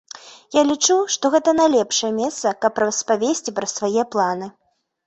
Я лічу, што гэта найлепшае месца, каб распавесці пра свае планы.